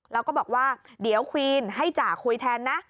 แล้วก็บอกว่าเดี๋ยวควีนให้จ่าคุยแทนนะ